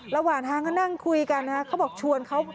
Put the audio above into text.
ระหว่างทางก็นั่งคุยกันเขาบอกชวนเขา